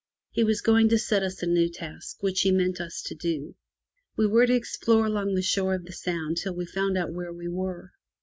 He was going to set us a new task, which he meant us to do. We were to explore along the shore of the Sound till we found out where we were.